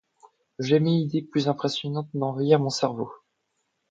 Jamais idées plus impressionnantes n’envahirent mon cerveau !